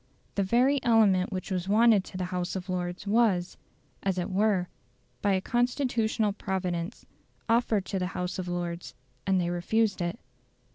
The very element which was wanted to the House of Lords was, as it were, by a constitutional providence, offered to the House of Lords, and they refused it.